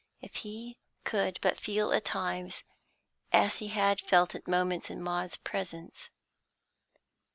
If he could but feel at all times as he had felt at moments in Maud's presence.